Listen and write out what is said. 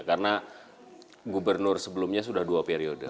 karena gubernur sebelumnya sudah dua periode